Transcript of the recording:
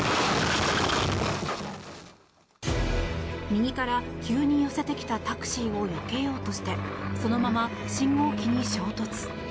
右から急に寄せてきたタクシーをよけようとしてそのまま信号機に衝突。